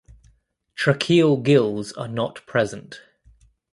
Tracheal gills are not present.